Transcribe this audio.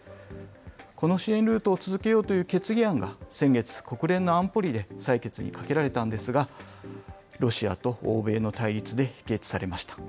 この支援ルートを続けようという決議案が先月、国連の安保理で採決にかけられたんですが、ロシアと欧米の対決で否決されました。